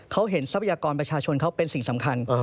เขาเห็นทรัพยากรประชาชนเขาเป็นสิ่งสำคัญ